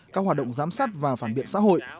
các hoạt động giám sát và phản biện xã hội